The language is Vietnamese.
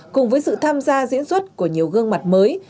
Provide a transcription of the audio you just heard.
cùng với sự tham gia diễn xuất của nhiều gương mặt mới